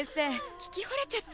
聞きほれちゃった。